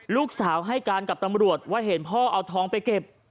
ลูกสาวให้การกับตำรวจว่าเห็นพ่อเอาทองไปเก็บ